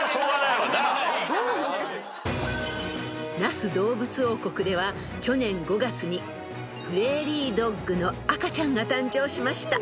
［那須どうぶつ王国では去年５月にプレーリードッグの赤ちゃんが誕生しました］